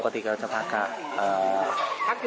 ปกติเขาจะพักกับ